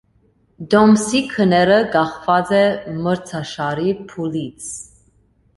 Տոմսի գները կախված է մրցաշարի փուլից։